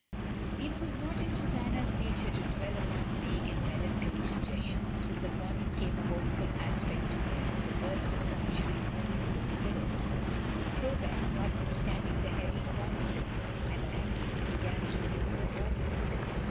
It was not in Susanna's nature to dwell upon vague and melancholy suggestions. With the morn ing came a hopeful aspect of things, a burst of sun shine and youthful spirits. Crowbeck, notwithstand ing the heavy cornices and hangings, began to look more home like.